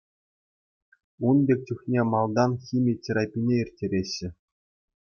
Ун пек чухне малтан хими терапине ирттереҫҫӗ.